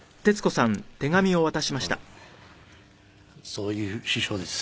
そういう師匠です。